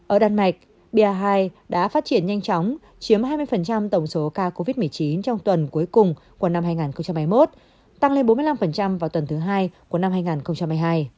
ở đan mạch bia hai đã phát triển nhanh chóng chiếm hai mươi tổng số ca covid một mươi chín trong tuần cuối cùng của năm hai nghìn hai mươi một tăng lên bốn mươi năm vào tuần thứ hai của năm hai nghìn hai mươi hai